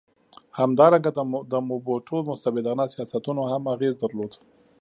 همدارنګه د موبوټو مستبدانه سیاستونو هم اغېز درلود.